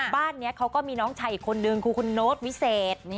บ้านนี้เขาก็มีน้องชายอีกคนนึงคือคุณโน๊ตวิเศษ